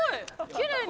きれいに」